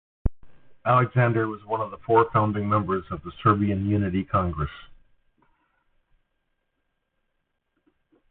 Alexander was one of the four founding members of the Serbian Unity Congress.